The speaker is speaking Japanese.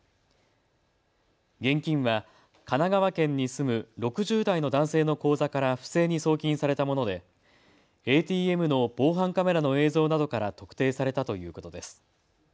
現金は神奈川県に住む６０代の男性の口座から不正に送金されたものでＡＴＭの防犯カメラの映像などから特定されたということです。